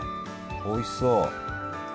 おいしそう。